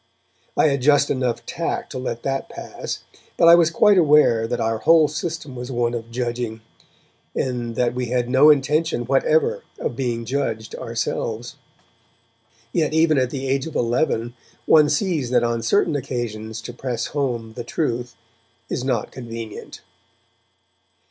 I had just enough tact to let that pass, but I was quite aware that our whole system was one of judging, and that we had no intention whatever of being judged ourselves. Yet even at the age of eleven one sees that on certain occasions to press home the truth is not convenient.